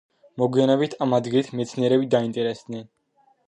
მოგვიანებით ამ ადგილით მეცნიერები დაინტერესდნენ.